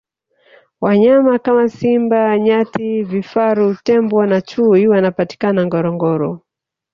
wanyama kama simba nyati vifaru tembo na chui wanapatikana ngorongoro